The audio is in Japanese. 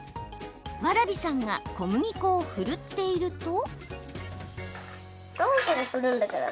蕨さんが小麦粉をふるっていると。